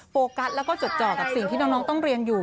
โฟกัสแล้วก็จดจ่อกับสิ่งที่น้องต้องเรียนอยู่